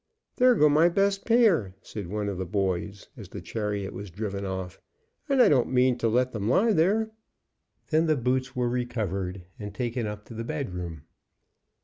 "There go my best pair," said one of the boys, as the chariot was driven off, "and I don't mean to let them lie there." Then the boots were recovered and taken up to the bedroom.